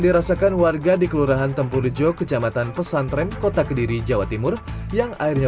dirasakan warga di kelurahan tempurjo kecamatan pesantren kota kediri jawa timur yang airnya